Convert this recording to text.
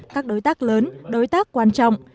các đối tác lớn đối tác quan trọng